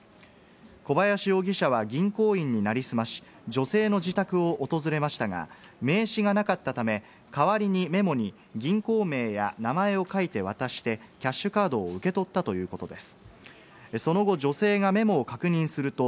小林容疑者は銀行員になりすまし、女性の自宅を訪れましたが、名刺がなかったため、代わりにメモに銀行名や名前を書いて渡して、キャッシュカードを受け取ったということです。